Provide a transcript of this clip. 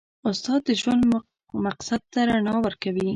استاد د ژوند مقصد ته رڼا ورکوي.